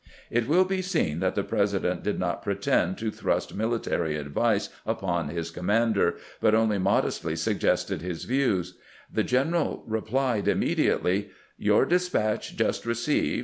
It will be seen that the President did not pretend to thrust mil itary advice upon his commander, but only modestly CONSTERNATION IN EICHMOND 303 suggested Ms views. The general replied immediately : "Your despatch just received.